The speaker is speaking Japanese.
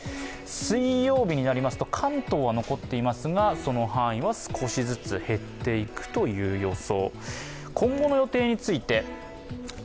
水曜日になりますと関東は残っていますがその範囲は少しずつ減っていくという予想。